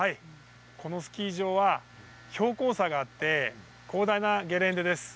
このスキー場は標高差があって広大なゲレンデです。